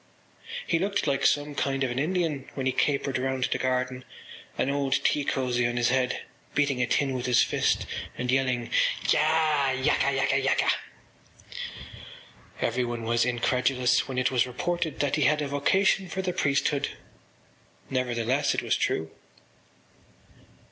He looked like some kind of an Indian when he capered round the garden, an old tea cosy on his head, beating a tin with his fist and yelling: “Ya! yaka, yaka, yaka!” Everyone was incredulous when it was reported that he had a vocation for the priesthood. Nevertheless it was true.